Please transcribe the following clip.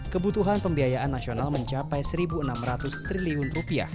kebutuhan pembiayaan nasional mencapai rp satu enam ratus triliun